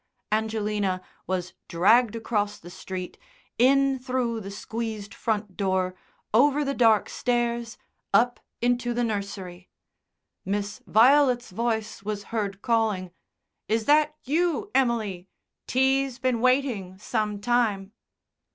Angelina was dragged across the street, in through the squeezed front door, over the dark stairs, up into the nursery. Miss Violet's voice was heard calling, "Is that you, Emily? Tea's been waiting some time."